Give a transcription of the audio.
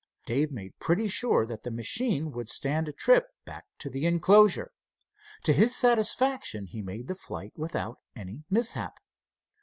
Dave made pretty sure that the machine would stand a trip back to the enclosure. To his satisfaction he made the flight without any mishap.